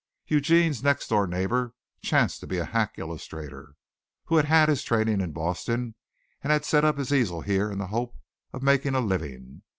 Eugene's next door neighbor chanced to be a hack illustrator, who had had his training in Boston and had set up his easel here in the hope of making a living.